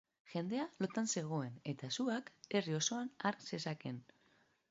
Jendea lotan zegoen eta suak herri osoa har zezakeen.